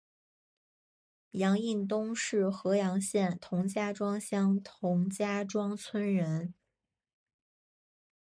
杨荫东是合阳县同家庄乡同家庄村人。